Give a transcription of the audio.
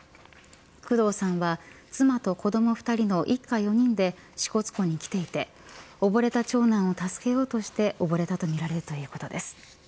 工藤さんは妻と子ども２人の一家４人で支笏湖に来ていて溺れた長男を助けようとして溺れたとみられるということです。